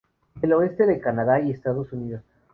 Del oeste de Canadá y Estados Unidos.